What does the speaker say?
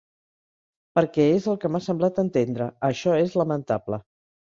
Perquè és el que m’ha semblat entendre… Això és lamentable.